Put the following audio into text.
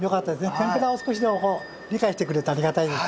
天ぷらを少しでも理解してくれるとありがたいです。